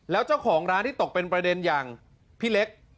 แล้วเจ้าของร้านที่ตกเป็นประเด็นอย่างพี่เล็ก